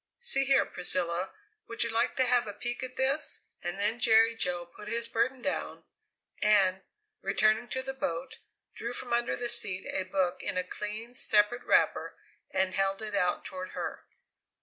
See here, Priscilla, would you like to have a peek at this?" And then Jerry Jo put his burden down, and, returning to the boat, drew from under the seat a book in a clean separate wrapper and held it out toward her.